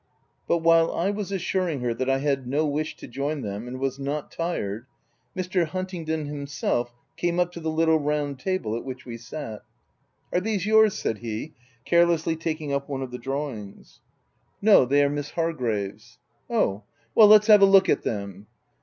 But while I was assuring her that I had no wish to join them, and was not tired, Mr. Huntingdon himself came up to the little round table at which we sat. " Are these yours ?" said he, carelessly taking up one of the drawings. ■* No, they are Miss Hargrave's." " Oh ! well, let's have a look at them."